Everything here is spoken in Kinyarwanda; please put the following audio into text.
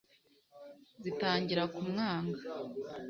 zitangira kumwanga